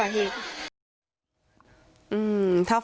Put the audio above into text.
อาจจะเกินไปค่ะ